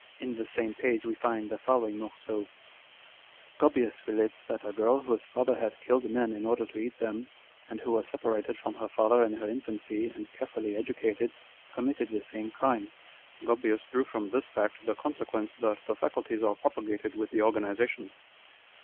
In the same page we find the following morceau : â€" 1 Page 107. Page 109. 3 Page 112. On Dr. Sjpurzheim's Theory. 203 " Gaubius relates, that a girl, whose fathtr had killed men in order to eat them, and who was separated from her father in her infancy and carefully educated, com mitted the same crime. Gaubius drew from this fact the consequence, that the faculties are propagated with the organization."